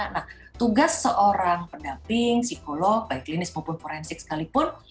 nah tugas seorang pendamping psikolog baik klinis maupun forensik sekalipun